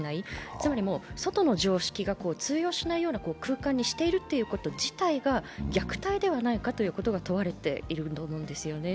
つまり外の常識が通用しない空間にしているということ自体が虐待ではないかと問われているんだと思うんですよね。